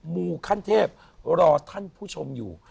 มูขั้นเทพรอท่านผู้ชมอยู่